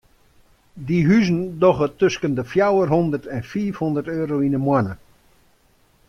Dy huzen dogge tusken de fjouwer hondert en fiif hondert euro yn de moanne.